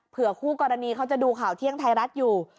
คู่กรณีเขาจะดูข่าวเที่ยงไทยรัฐอยู่